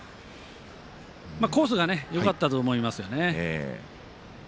コースがよかったと思いますよね。